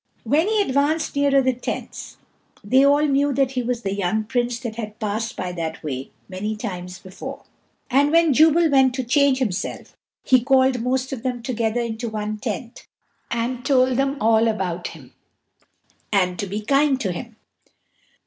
When he advanced nearer the tents, they all knew that he was the young Prince that had passed by that way many times before; and when Jubal went to change himself, he called most of them together into one tent, and told them all about him, and to be kind to him.